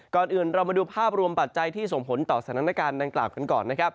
ก่อนอื่นเรามาดูภาพรวมปัจจัยที่ส่งผลต่อสถานการณ์ดังกล่าวกันก่อนนะครับ